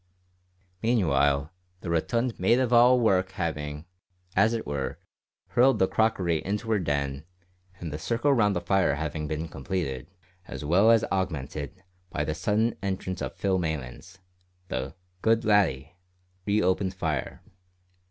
Meanwhile the rotund maid of all work having, as it were, hurled the crockery into her den, and the circle round the fire having been completed, as well as augmented, by the sudden entrance of Phil Maylands, the "good laddie" re opened fire.